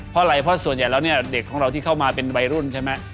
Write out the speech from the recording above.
เพราะอะไรเพราะส่วนใหญ่แล้วเนี่ยเด็กของเราที่เข้ามาเป็นวัยรุ่นใช่ไหม